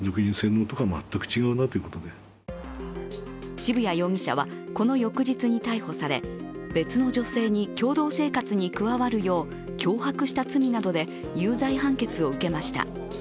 渋谷容疑者はこの翌日に逮捕され、別の女性に共同生活に加わるよう脅迫した罪などで有罪判決を受けました。